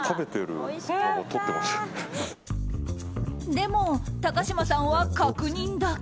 でも高嶋さんは確認だけ。